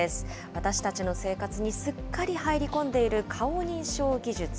私たちの生活にすっかり入り込んでいる顔認証技術。